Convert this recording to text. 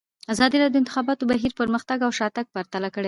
ازادي راډیو د د انتخاباتو بهیر پرمختګ او شاتګ پرتله کړی.